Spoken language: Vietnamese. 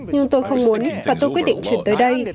nhưng tôi không muốn và tôi quyết định chuyển tới đây